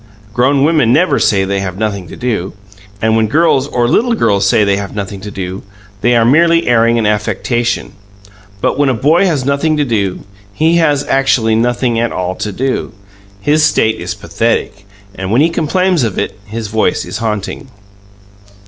Grown women never say they have nothing to do, and when girls or little girls say they have nothing to do, they are merely airing an affectation. But when a boy has nothing to do, he has actually nothing at all to do; his state is pathetic, and when he complains of it his voice is haunting.